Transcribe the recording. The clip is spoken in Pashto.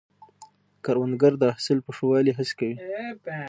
کروندګر د حاصل په ښه والي هڅې کوي